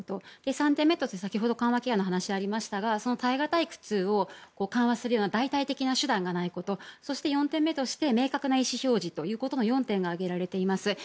３点目として先ほど緩和ケアの話がありましたが耐え難い苦痛を緩和するような代替的な手段がないことそして、４点目として明確な意思表示ということの４点が挙げられています。